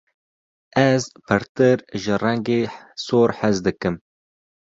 Ez pirtir ji rengê sor hez dikim.